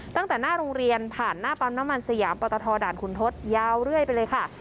ตั้งแต่หน้าโรงเรียนผ่านหน้าปั๊มน้ำมันสยามปตทด่านขุนทศยาวเรื่อยไปเลยค่ะ